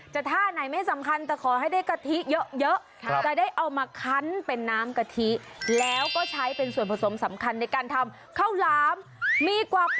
จะท่าไหนต่างไม่สำคัญแต่คอยให้ได้กะทิเยอะจะได้เอามาขันเป็นน้ำกะทิ